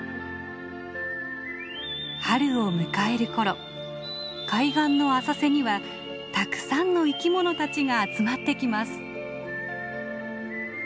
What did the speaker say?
春を迎える頃海岸の浅瀬にはたくさんの生きものたちが集まってきます。